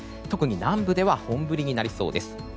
特に南部では本降りになりそうです。